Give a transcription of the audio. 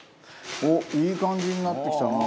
おっいい感じになってきたな。